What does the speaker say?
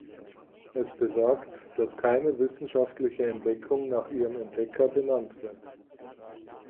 Es besagt, dass keine wissenschaftliche Entdeckung nach ihrem Entdecker benannt wird.